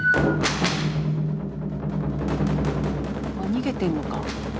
逃げてるのか。